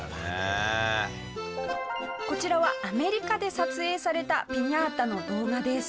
こちらはアメリカで撮影されたピニャータの動画です。